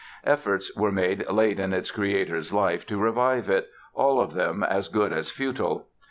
Efforts were made late in its creator's life to revive it, all of them as good as futile.